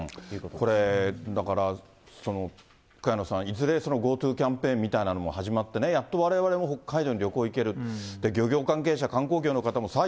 これ、だから、萱野さん、いずれＧｏＴｏキャンペーンみたいなのも始まって、やっとわれわれも北海道に旅行行ける、漁協関係者、観光業の方もさあ